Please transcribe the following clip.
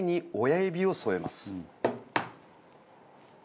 「親指を添えます」。